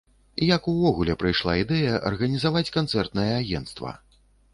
Як увогуле прыйшла ідэя арганізаваць канцэртнае агенцтва?